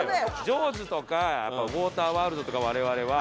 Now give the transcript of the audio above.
ジョーズとかウォーターワールドとか我々は。